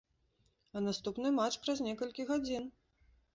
А наступны матч праз некалькі гадзін!